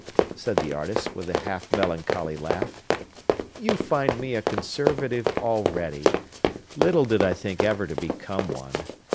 said the artist, with a half melancholy laugh. "You find me a conservative already! Little did I think ever to become one.